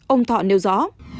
ông thọ nêu rõ